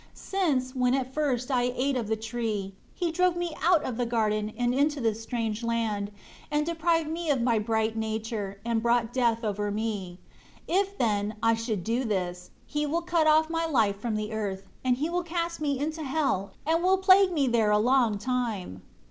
2 Since, when at first, I ate of the tree, He drove me out of the garden into this strange land, and deprived me of my bright nature, and brought death over me. If, then, I should do this, He will cut off my life from the earth, and He will cast me into hell, and will plague me there a long time.